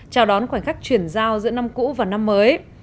chào đón khoảnh khắc chuyển giao giữa năm cũ và năm mới